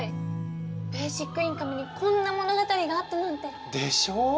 ベーシックインカムにこんな物語があったなんて。でしょう！